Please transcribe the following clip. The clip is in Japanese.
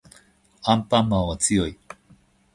アンパンマンは強い